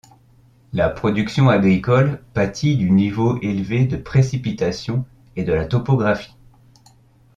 La production agricole pâtit du niveau élevé de précipitations et de la topographie.